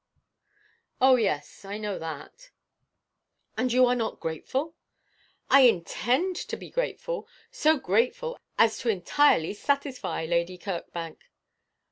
'Oh, yes, I know that.' 'And you are not grateful?' 'I intend to be very grateful, so grateful as to entirely satisfy Lady Kirkbank.'